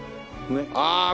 ああ。